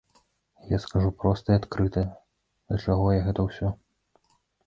Я скажу проста і адкрыта, да чаго я гэта ўсё.